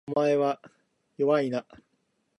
お前は弱いな